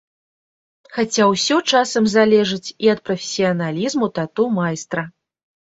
Хаця ўсё часам залежыць і ад прафесіяналізму тату-майстра.